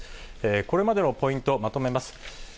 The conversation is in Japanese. これまでのポイントをまとめます。